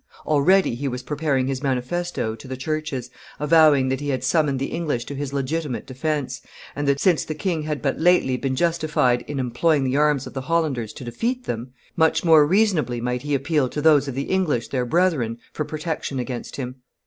Already he was preparing his manifesto to the churches, avowing that he had summoned the English to his legitimate defence, and that, since the king had but lately been justified in employing the arms of the Hollanders to defeat them, much more reasonably might he appeal to those of the English their brethren for protection against him.